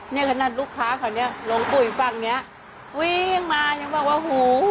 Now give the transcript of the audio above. เนี่ยขนาดลูกค้าเขาเนี่ยลงปุ๋ยฝั่งเนี้ยวิ่งมายังบอกว่าหู